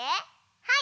はい！